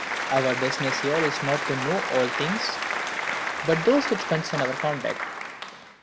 Our business here is not to know all things, but those which concern our conduct.